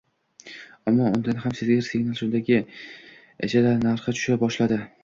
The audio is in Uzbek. Ammo undan ham sezgir signal shundaki, ijara narxi tusha boshladi